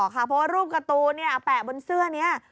เพราะว่ารูปการ์ตูนแปะบนเสื้อนี้